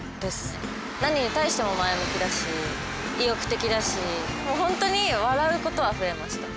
何に対しても前向きだし意欲的だし本当に笑うことは増えました。